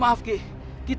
saya harus membantu